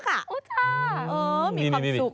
อ๋อมีความสุขมาก